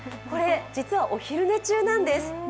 これ、実はお昼寝中なんです。